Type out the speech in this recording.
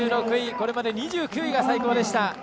これまで２９位が最高でした。